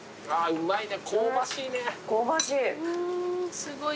うまいな。